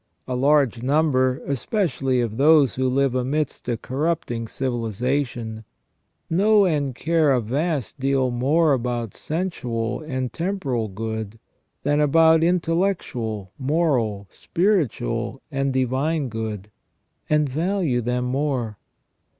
A large number, especially of those who live amidst a corrupting civilization, know and care a vast deal more about sensual and temporal good than about intellectual, moral, spiritual, and divine good, and value them more.